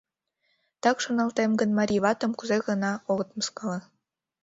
Так шоналтем гын, марий ватым кузе гына огыт мыскыле.